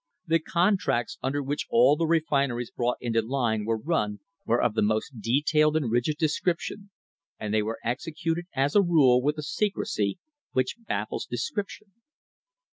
The contracts under which all the refineries brought into line were run were of the most detailed and rigid description, and they were executed as a rule with a secrecy which baffles description.